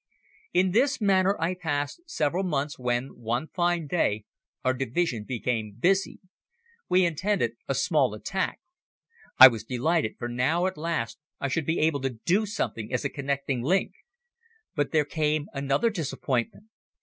In this manner I passed several months when, one fine day, our division became busy. We intended a small attack. I was delighted, for now at last I should be able to do something as a connecting link! But there came another disappointment!